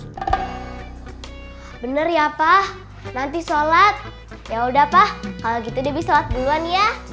vai bener ya pak nanti shalat yaudah pak kalau begitu di shalat duluan ya udah